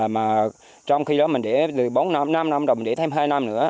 mà trong khi đó mình để bốn năm năm năm rồi mình để thêm hai năm nữa